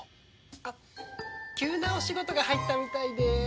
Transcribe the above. あっ急なお仕事が入ったみたいで。